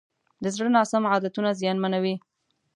د زړه ناسم عادتونه زیانمنوي.